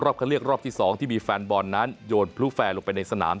เข้าเรียกรอบที่๒ที่มีแฟนบอลนั้นโยนพลุแฟร์ลงไปในสนาม